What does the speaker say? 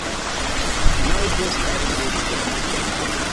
Now it was Harry who beset him.